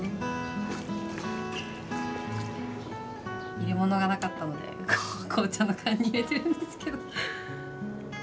入れ物がなかったので紅茶の缶に入れてるんですけど。